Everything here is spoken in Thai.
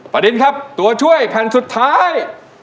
ดินครับตัวช่วยแผ่นสุดท้าย